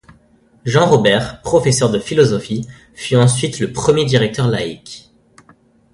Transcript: Jean Robert, professeur de philosophie, fut ensuite le premier directeur laïc.